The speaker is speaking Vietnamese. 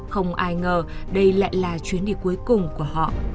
không ai ngờ đây lại là chuyến đi cuối cùng của họ